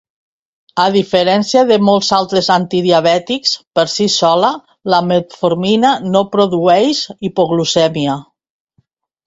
A diferència de molts altres antidiabètics, per si sola, la metformina no produeix hipoglucèmia.